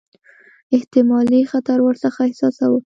احتمالي خطر ورڅخه احساساوه.